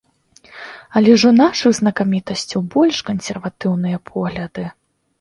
Але ж у нашых знакамітасцяў больш кансерватыўныя погляды.